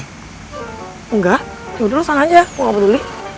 enggak yaudah lo sana aja gue gak peduli